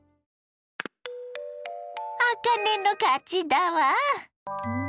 あかねの勝ちだわ。